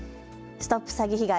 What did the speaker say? ＳＴＯＰ詐欺被害！